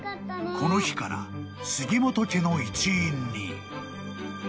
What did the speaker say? ［この日から杉本家の一員に］